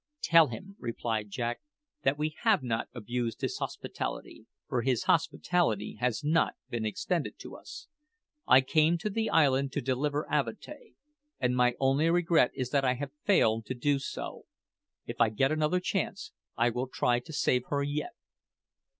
"Tell him," replied Jack, "that we have not abused his hospitality, for his hospitality has not been extended to us. I came to the island to deliver Avatea, and my only regret is that I have failed to do so. If I get another chance, I will try to save her yet."